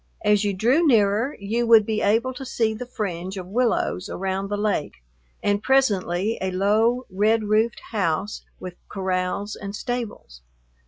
As you drew nearer you would be able to see the fringe of willows around the lake, and presently a low, red roofed house with corrals and stables.